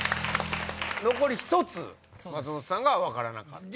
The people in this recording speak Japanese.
残り１つ松本さんが分からなかった。